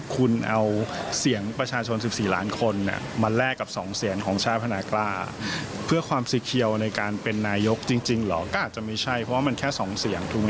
ก็อาจจะไม่ใช่เพราะว่ามันแค่สองเสียง